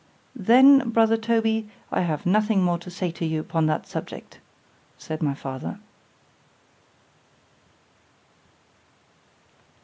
——Then, brother Toby, I have nothing more to say to you upon that subject, said my father.